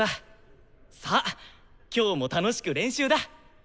さあ今日も楽しく練習だ！